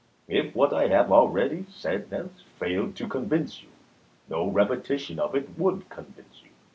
If what I have already said has failed to convince you, no repeti tion of it would convince you.